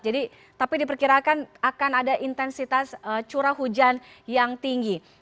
jadi tapi diperkirakan akan ada intensitas curah hujan yang tinggi